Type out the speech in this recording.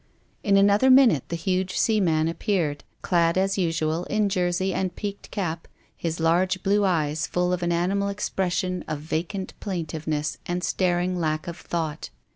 In another minute the huge seaman appeared, clad as usual in jersey and peaked cap, his large blue eyes full of an animal expression of vacant plaintiveness and staring lack of thought.